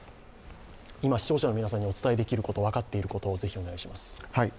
今、視聴者の皆さんにお伝えできること分かっていること、是非お願いします。